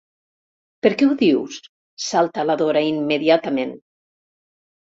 Per què ho dius? —salta la Dora immediatament—.